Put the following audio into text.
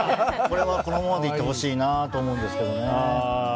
これはこのままでいてほしいなと思うんですけどね。